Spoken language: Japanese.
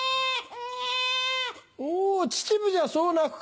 お秩父じゃそう泣くか。